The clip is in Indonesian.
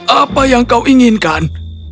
apa yang kau inginkan